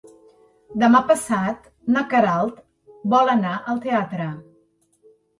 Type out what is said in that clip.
Demà passat na Queralt vol anar al teatre.